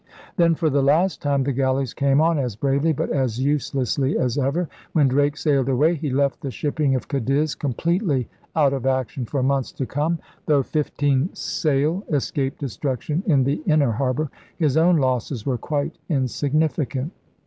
Then, for the last time, the galleys came on, as bravely but as uselessly as ever. When Drake sailed away he left the shipping of Cadiz com pletely out of action for months to come, though DRAKE CLIPS THE WINGS OF SPAIN 167 fifteen sail escaped destruction in the inner har bor. His own losses were quite insignificant.